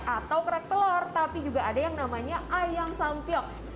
atau krek telur tapi juga ada yang namanya ayam sampiok